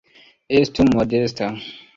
Estu modesta.